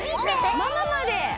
ママまで！